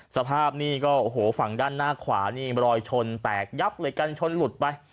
สภาพนี่ก็โอ้โหฝั่งด้านหน้าขวานี่รอยชนแตกยับเลยกันชนหลุดไป